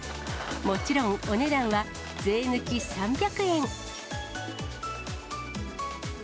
もちろん、お値段は税抜き３００円。